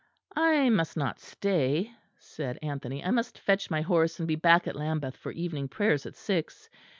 "I must not stay," said Anthony, "I must fetch my horse and be back at Lambeth for evening prayers at six.